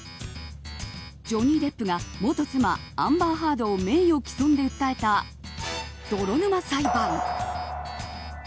ジョニー・デップが元妻アンバー・ハードを名誉毀損で訴えた泥沼裁判。